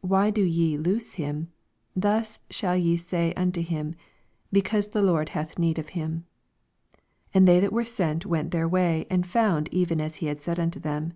Why do ye loose him f thus shall ye say nnto him, BecauBe the Lord hatn need of him. 82 And they that were sent went their way, and found even as he had said unto them.